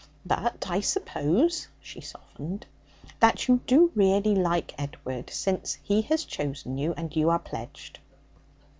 But I suppose' she softened 'that you do really like Edward, since he has chosen you and you are pledged?'